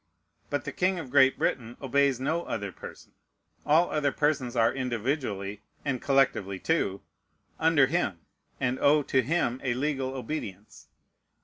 But the king of Great Britain obeys no other person; all other persons are individually, and collectively too, under him, and owe to him a legal obedience.